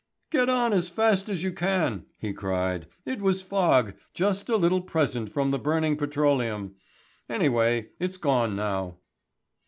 "Get on as fast as you can," he cried. "It was fog, just a little present from the burning petroleum. Anyway, it's gone now."